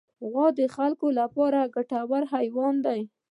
غوا د انسان لپاره ګټور حیوان دی.